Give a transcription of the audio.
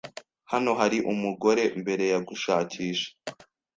Hano hari umugore mbere yagushakisha.